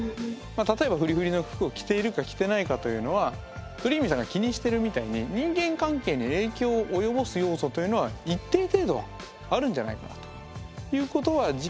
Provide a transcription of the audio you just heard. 例えばフリフリの服を着ているか着てないかというのはどりーみぃさんが気にしてるみたいに人間関係に影響を及ぼす要素というのは一定程度はあるんじゃないかなということは実験からも言えるわけですよね。